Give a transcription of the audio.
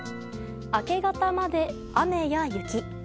明け方まで雨や雪。